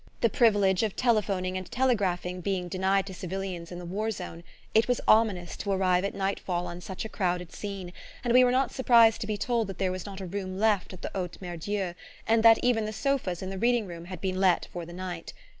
The privilege of telephoning and telegraphing being denied to civilians in the war zone, it was ominous to arrive at night fall on such a crowded scene, and we were not surprised to be told that there was not a room left at the Haute Mere Dieu, and that even the sofas in the reading room had been let for the night.